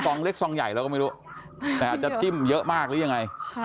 เล็กซองใหญ่เราก็ไม่รู้แต่อาจจะจิ้มเยอะมากหรือยังไง